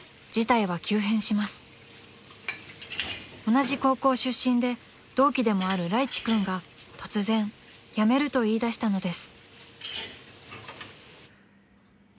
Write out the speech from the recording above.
［同じ高校出身で同期でもあるらいち君が突然辞めると言いだしたのです］